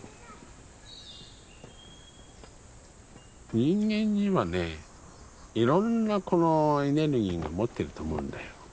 人間にはねいろんなこのエネルギーが持ってると思うんだよ。